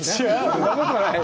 そんなことはないよ。